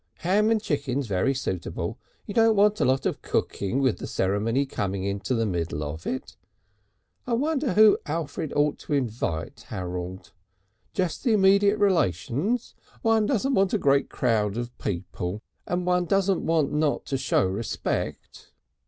Ham and chicken's very suitable. You don't want a lot of cooking with the ceremony coming into the middle of it. I wonder who Alfred ought to invite, Harold. Just the immediate relations; one doesn't want a great crowd of people and one doesn't want not to show respect."